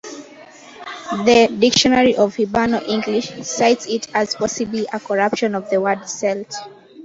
The "Dictionary of Hiberno-English" cites it as possibly a corruption of the word "Celt".